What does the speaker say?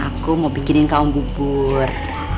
aku mau bikinin kaum bubur